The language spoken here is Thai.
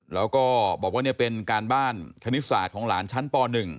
แล้วก็บอกว่าเป็นการบ้านคณิตศาสตร์ของหลานชั้นป๑